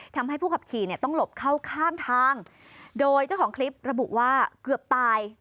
ทำให้ผู้ขับขี่เนี่ยต้องหลบเข้าข้างทางโดยเจ้าของคลิประบุว่าเกือบตาย